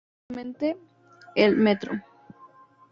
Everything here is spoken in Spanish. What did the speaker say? Actualmente, el Mtro.